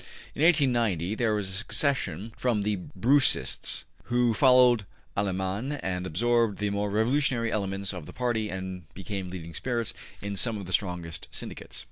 In 1890 there was a secession from the Broussists, who followed Allemane and absorbed the more revolutionary elements of the party and became leading spirits in some of the strongest syndicates.